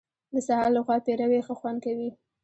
د سهار له خوا پېروی ښه خوند کوي .